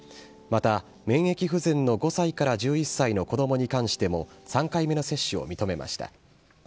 また、免疫不全の５歳から１１歳の子どもに関しても、３回目の接種を認めました。